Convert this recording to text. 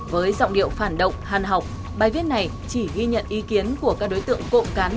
với giọng điệu phản động hàn học bài viết này chỉ ghi nhận ý kiến của các đối tượng cộng cán